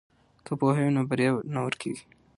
که پوهه وي نو بریا نه ورکیږي.